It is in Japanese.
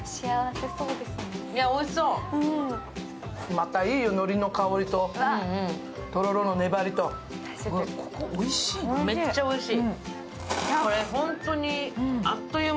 またいいのりの香りととろろのねばりと、めっちゃおいしい。